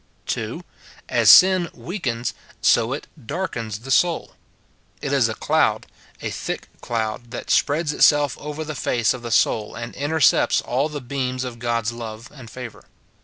[2,] As sin weakens, so it darkens the soul. It is a cloud, a thick cloud, that spreads itself over the face of the soul, and intercepts all the beams of God's love and favour.